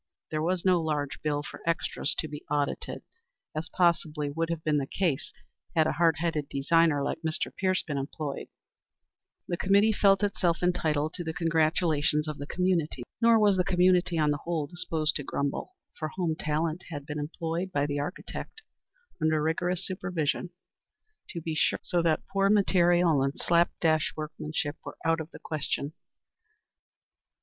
There was no large bill for extras to be audited, as possibly would have been the case had a hard headed designer like Mr. Pierce been employed. The committee felt itself entitled to the congratulations of the community. Nor was the community on the whole disposed to grumble, for home talent had been employed by the architect; under rigorous supervision, to be sure, so that poor material and slap dash workmanship were out of the question.